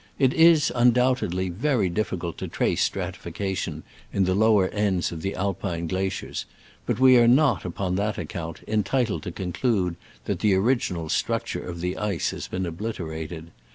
It is, undoubtedly, very difficult to trace stratification in the low er ends of the Alpine glaciers, but we are not, upon that account, entitled to conclude that the original structure of the ice has been obliterated.